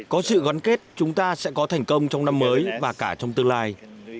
có sự gắn kết chúng ta sẽ có thành công trong năm mới và cả trong tương lai